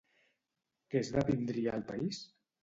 Què esdevindria el país?